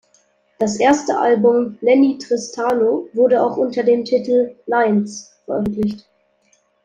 Das erste Album "Lennie Tristano" wurde auch unter dem Titel "Lines" veröffentlicht.